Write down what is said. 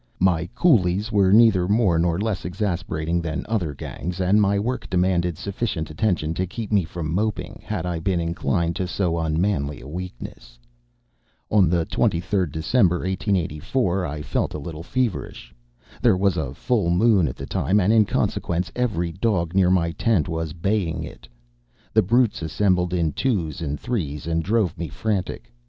My coolies were neither more nor less exasperating than other gangs, and my work demanded sufficient attention to keep me from moping, had I been inclined to so unmanly a weakness. On the 23d December, 1884, I felt a little feverish. There was a full moon at the time, and, in consequence, every dog near my tent was baying it. The brutes assembled in twos and threes and drove me frantic.